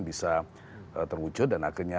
bisa terwujud dan akhirnya